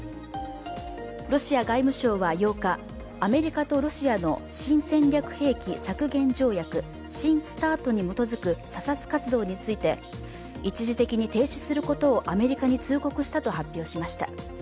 ロシア外務相は８日、アメリカとロシアの新戦略兵器削減条約＝新ＳＴＡＲＴに基づく査察活動について、一時的に停止することをアメリカに通告したと発表しました。